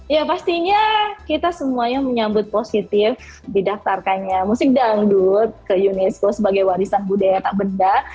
ya pastinya kita semuanya menyambut positif didaftarkannya musik dangdut ke unesco sebagai warisan budaya tak benda